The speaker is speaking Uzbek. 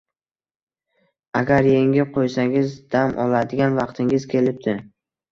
Agar yengib qo'ysangiz, dam oladigan vaqtingiz kelibdi...